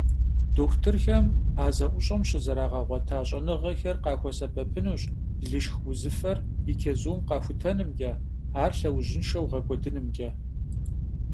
Дохутырхэм а зэӀущӀэм щызэрагъэгъуэта щӀэныгъэхэр къахуэсэбэпынущ лышх узыфэр и чэзум къэхутэнымкӀэ, ар лъэужьыншэу гъэкӀуэдынымкӀэ.